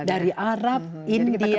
dari arab india china